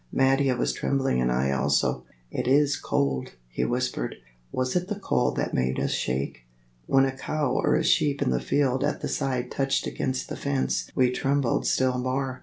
Mattia was trembling and I also. "It is cold," he whispered. Was it the cold that made us shake? When a cow or a sheep in the field at the side touched against the fence we trembled still more.